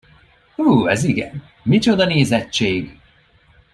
Hú, ez igen, micsoda nézettség!